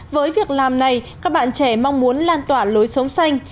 với việc làm này các bạn trẻ mong muốn lan tỏa lối sống xanh